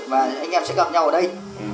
và anh em sẽ gặp nhau ở đây